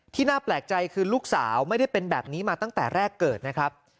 น่าแปลกใจคือลูกสาวไม่ได้เป็นแบบนี้มาตั้งแต่แรกเกิดนะครับ